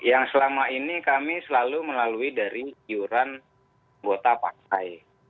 yang selama ini kami selalu melalui dari iuran anggota partai